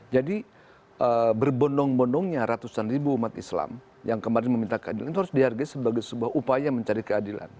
jadi berbondong bondongnya ratusan ribu umat islam yang kemarin meminta keadilan itu harus dihargai sebagai sebuah upaya mencari keadilan